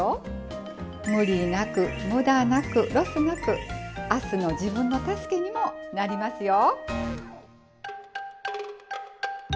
ムリなくムダなくロスなく明日の自分の助けにもなりますよ！